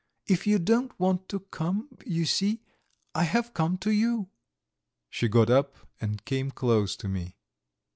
"If you don't want to come, you see, I have come to you." She got up and came close to me.